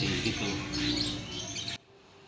terus dinyalakan sama korek